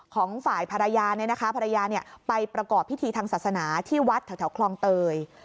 ของฝ่ายภรรยาไปประกอบพิธีทางศาสนาที่วัดแถวคลองเตย